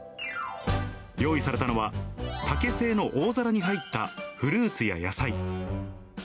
用意されたのは、竹製の大皿に入ったフルーツや野菜。